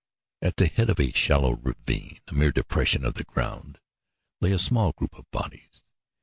At the head of a shallow ravine, a mere depression of the ground, lay a small group of bodies.